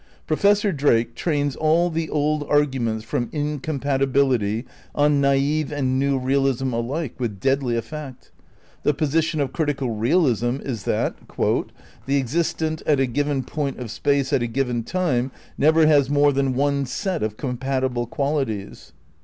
Professor Drake ^ trains all the old arguments from incompatibility on naif and new realism alike with deadly effect. The position of critical realism is that "the existent at a given point of space at a given time never has more than one set of compatible qualities."